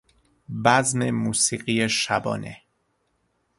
بزم موسیقی شبانه